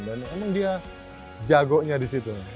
dan emang dia jagonya di situ